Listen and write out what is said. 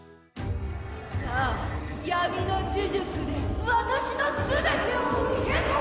さあ闇の呪術で私のすべてを受け止めろ！